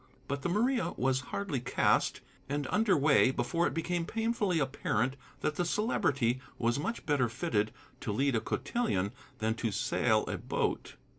But the Maria was hardly cast and under way before it became painfully apparent that the Celebrity was much better fitted to lead a cotillon than to sail a boat.